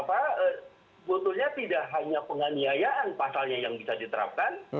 sebetulnya tidak hanya penganiayaan pasalnya yang bisa diterapkan